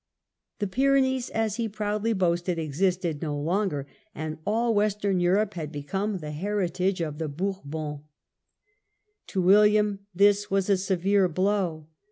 The Pyrenees, as he proudly boasted, existed no longer, and all Western Europe had become the heritage of the Bourbons. To William this was a severe blow.